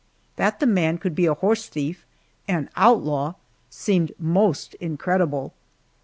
That the man could be a horse thief, an outlaw, seemed most incredible.